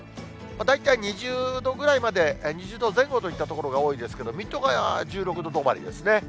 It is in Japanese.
大体２０度ぐらいまで、２０度前後といった所が多いですけれども、水戸が１６度止まりですね。